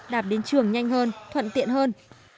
đạp đến trường nhanh hơn thuận tiện hơn